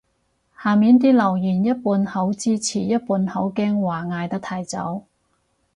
下面啲留言一半好支持一半好驚話嗌得太早